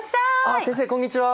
あ先生こんにちは！